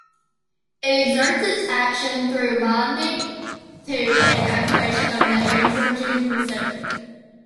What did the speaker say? It exerts its action through binding to and activation of the androgen receptor.